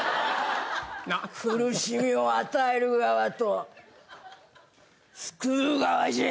苦しみを与える側と救う側じゃ。